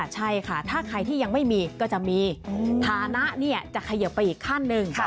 ใช่ค่ะถ้าใครที่ยังไม่มีก็จะมีฐานะจะเขยิบไปอีกขั้นหนึ่ง